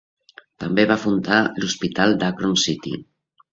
També va fundar l'hospital d'Akron City.